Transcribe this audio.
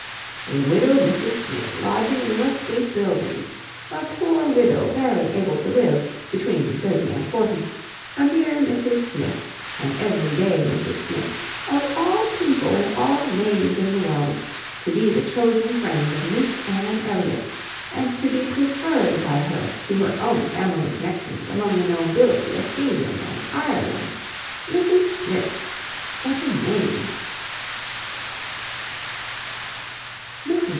A widow Mrs Smith lodging in Westgate Buildings! A poor widow barely able to live, between thirty and forty; a mere Mrs Smith, an every day Mrs Smith, of all people and all names in the world, to be the chosen friend of Miss Anne Elliot, and to be preferred by her to her own family connections among the nobility of England and Ireland! Mrs Smith! Such a name!"